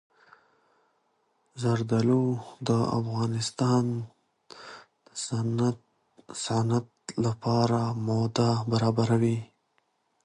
زردالو د افغانستان د صنعت لپاره مواد برابروي.